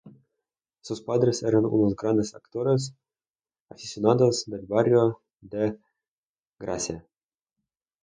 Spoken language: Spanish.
Sus padres eran unos grandes actores aficionados del barrio de Gracia.